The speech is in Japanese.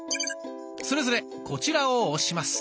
それぞれこちらを押します。